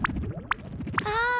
ああ。